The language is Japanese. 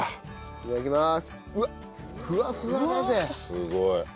いただきます。